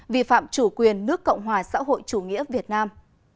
vi phạm chủ quyền nước cộng hòa xã hội chủ nghĩa việt nam